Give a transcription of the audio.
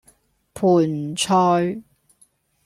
盆菜